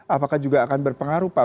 apakah juga akan berpengaruh pak